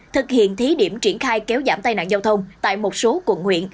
thực hiện thí điểm triển khai kéo giảm tai nạn giao thông tại một số quận huyện